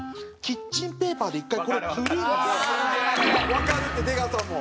「わかる」って出川さんも。